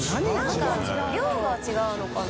何か量が違うのかな？